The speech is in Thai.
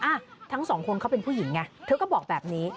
อ่ะทั้งสองคนเขาเป็นผู้หญิงไงเธอก็บอกแบบนี้